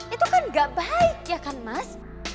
itu kan gak baik ya kan mas